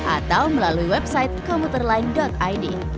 atau melalui website komuterline id